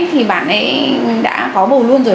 thì bạn ấy đã có bầu luôn rồi